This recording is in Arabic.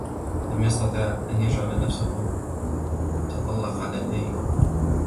لم يستطع أن يجعل نفسه تطلق على الأيِّل.